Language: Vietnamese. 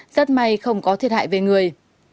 rất may không có thiệt hại về người